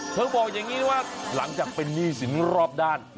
บอกอย่างนี้ว่าหลังจากเป็นหนี้สินรอบด้าน